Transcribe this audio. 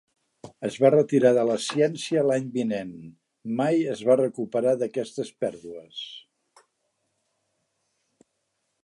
Es va retirar de la ciència l'any vinent, mai es va recuperar d'aquestes pèrdues.